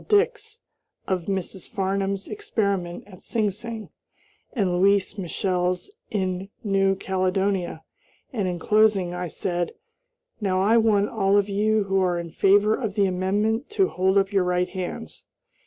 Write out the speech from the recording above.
Dix, of Mrs. Farnham's experiment at Sing Sing, and Louise Michel's in New Caledonia, and, in closing, I said: "Now I want all of you who are in favor of the amendment to hold up your right hands."